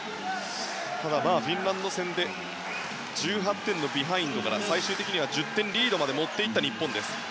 ただフィンランド戦で１８点のビハインドから最終的には１０点リードまで持っていった日本です。